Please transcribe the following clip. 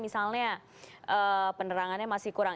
misalnya penerangannya masih kurang